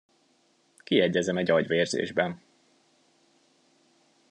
Kiegyezem egy agyvérzésben.